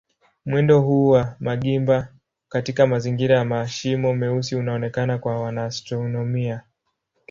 Mwendo huu wa magimba katika mazingira ya mashimo meusi unaonekana kwa wanaastronomia.